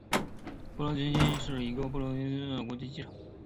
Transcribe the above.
布琼布拉国际机场是一位位于布隆迪首都布琼布拉的国际机场。